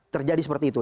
terjadi seperti itu